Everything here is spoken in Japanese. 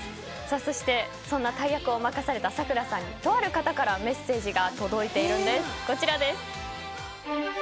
そしてそんな大役を任された桜さんにとある方からメッセージが届いているんです。